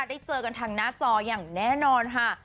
ได้เจอกันทางหน้าจออย่างแน่นอนค่ะ